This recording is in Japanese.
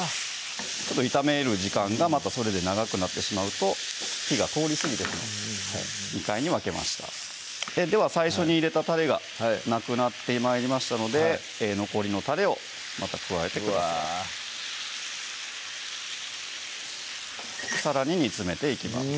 ちょっと炒める時間がまたそれで長くなってしまうと火が通りすぎてしまう２回に分けましたでは最初に入れたたれがなくなって参りましたので残りのたれをまた加えてくださいうわさらに煮詰めていきます